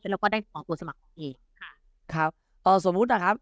แล้วก็ได้สองตัวสมัครตัวเองค่ะครับเอาสมมุตินะครับ